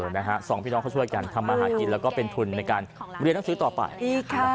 นะฮะสองพี่น้องเขาช่วยกันทำมาหากินแล้วก็เป็นทุนในการเรียนหนังสือต่อไป